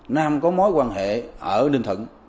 nam có mối quan hệ ở địa phương này